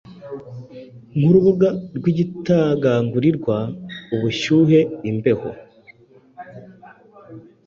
Nkurubuga rwigitagangurirwa, ubushuhe, imbeho,